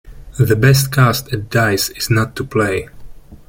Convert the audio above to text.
The best cast at dice is not to play.